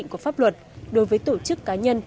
có pháp luật đối với tổ chức cá nhân